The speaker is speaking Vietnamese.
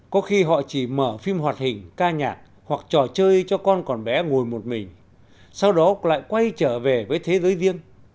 có khi họ chỉ mở phim hoạt hình ca nhạc hoặc trò chơi cho con còn bé ngồi một mình sau đó lại quay trở về với thế giới riêng